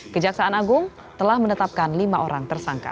kejaksaan agung telah menetapkan lima orang tersangka